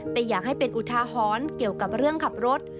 แต่อยากให้เป็นอุทาหรณ์เกี่ยวกับเรื่องขับรถ